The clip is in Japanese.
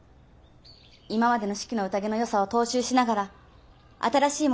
今までの「四季の宴」のよさを踏襲しながら新しいものができたらと思います。